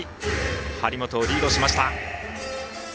張本をリードしました。